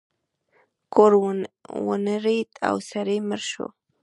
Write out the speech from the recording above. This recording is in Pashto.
کور ونړید او سړی مړ شو.